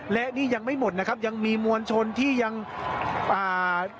และนี่ยังไม่หมดนะครับยังมีมวลชนที่ยังอ่า